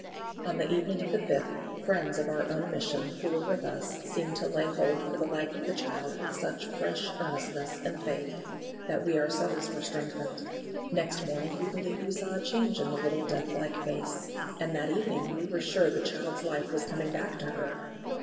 On the evening of the 5th, friends of our own Mission who were with us seemed to lay hold for the life of the child with such fresh earnestness and faith, that we ourselves were strengthened. Next morning we believed we saw a change in the little deathlike face, and that evening we were sure the child's life was coming back to her.